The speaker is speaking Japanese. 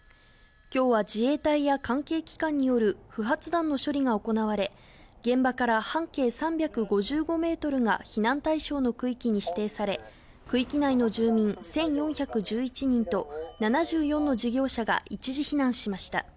今日は自衛隊や関係機関による不発弾の処理が行われ、現場から半径３５５ｍが避難対象の区域に指定され、区域内の住民１４１１人と７４の事業者が一時避難しました。